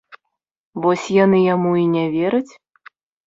Вось яны яму і не вераць.